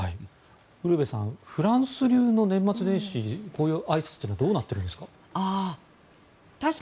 ウルヴェさんフランス流の年末年始のこういうあいさつはどうなっているんですか？